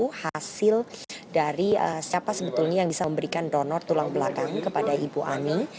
itu hasil dari siapa sebetulnya yang bisa memberikan donor tulang belakang kepada ibu ani